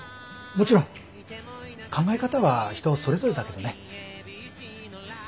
もちろん考え方は人それぞれだけどね。